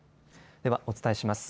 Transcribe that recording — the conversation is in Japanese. ではお伝えします。